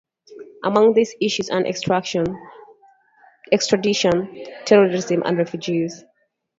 Among these issues are extradition, terrorism, and refugees.